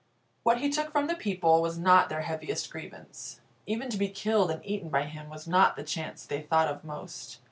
What he took from the people was not their heaviest grievance. Even to be killed and eaten by him was not the chance they thought of most.